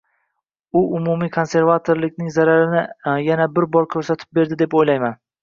U umumiy konservativlikning zararini yana bir bor koʻrsatib berdi deb oʻylayman.